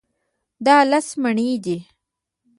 دا لس مڼې دي.